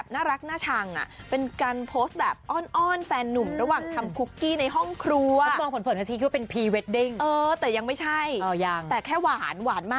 มากจนเพื่อนบอกเพื่อนจะไม่ทนแล้วจ้ะ